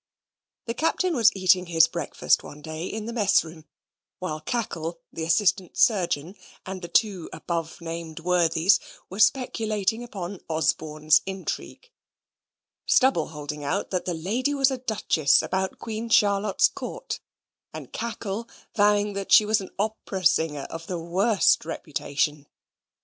The Captain was eating his breakfast one day in the mess room, while Cackle, the assistant surgeon, and the two above named worthies were speculating upon Osborne's intrigue Stubble holding out that the lady was a Duchess about Queen Charlotte's court, and Cackle vowing she was an opera singer of the worst reputation.